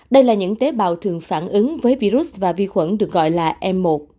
đây là những tế bào thường phản ứng với virus và vi khuẩn được gọi là m một